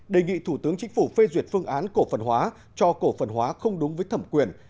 đề nghị thủ tướng chính phủ phê duyệt phương án cổ phần hóa cho cổ phần hóa không đúng với thẩm quyền